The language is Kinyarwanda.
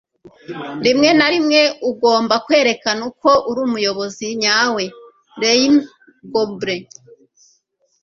rimwe na rimwe ugomba kwerekana ko uri umuyobozi nyawe. - leymah gbowee